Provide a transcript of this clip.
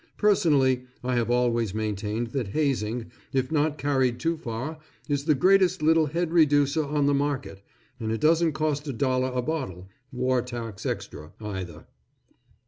Personally, I have always maintained that hazing, if not carried too far, is the greatest little head reducer on the market, and it doesn't cost a dollar a bottle, war tax extra, either.